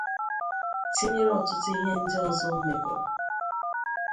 tinyere ọtụtụ ihe ndị ọzọ o megoro